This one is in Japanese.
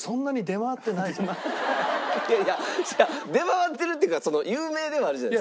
いやいや出回ってるっていうか有名ではあるじゃないですか。